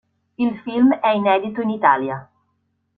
Il film è Inedito in Italia.